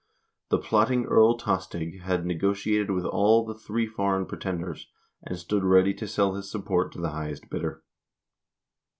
The plotting Earl Tostig had nego tiated with all the three foreign pretenders, and stood ready to sell his support to the highest bidder.